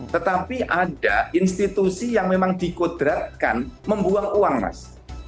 tetapi ada institusi yang memang dikodratkan membuang uang mas